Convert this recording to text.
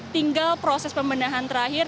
tinggal proses pembenahan terakhir